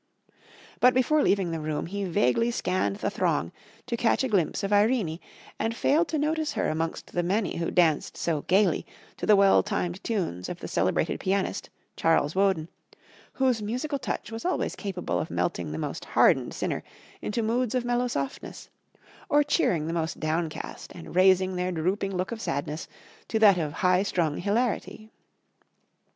But before leaving the room he vaguely scanned the throng to catch a glimpse of Irene, and failed to notice her amongst the many who danced so gaily to the well timed tunes of the celebrated pianist, Charles Wohden, whose musical touch was always capable of melting the most hardened sinner into moods of mellow softness, or cheering the most downcast and raising their drooping look of sadness to that of high strung hilarity.